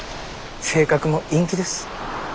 性格も陰気です。